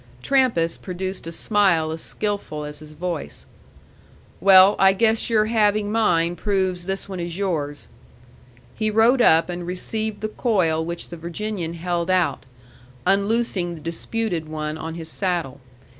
Trampas produced a smile as skilful as his voice. "Well, I guess your having mine proves this one is yours." He rode up and received the coil which the Virginian held out, unloosing the disputed one on his saddle.